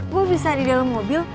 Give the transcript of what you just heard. gue bisa di dalam mobil